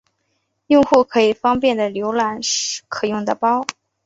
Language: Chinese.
用户可以方便的浏览可用的包。